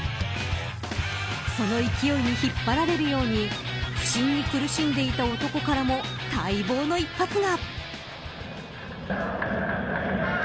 その勢いに引っ張られるように不振に苦しんでいた男からも待望の一発が。